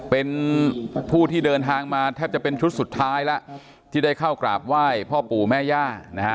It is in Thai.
เป็นผู้ที่เดินทางมาแทบจะเป็นชุดสุดท้ายแล้วที่ได้เข้ากราบไหว้พ่อปู่แม่ย่านะฮะ